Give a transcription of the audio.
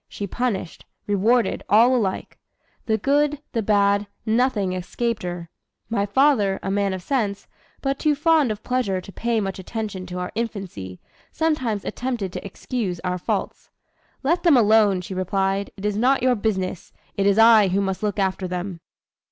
She punished, rewarded all alike; the good, the bad, nothing escaped her. My father, a man of sense, but too fond of pleasure to pay much attention to our infancy, sometimes attempted to excuse our faults. 'Let them alone,' she replied; 'it is not your business, it is I who must look after them.'"